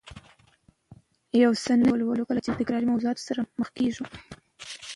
یو څه نوي ولولو، کله چې له تکراري موضوعاتو سره مخ کېږو